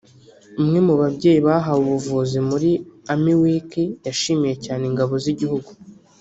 umwe mu babyeyi bahawe ubuvuzi muri Army Week yashimiye cyane ingabo z’igihugu